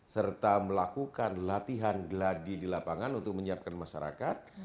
serta melakukan latihan geladi di lapangan untuk menyiapkan masyarakat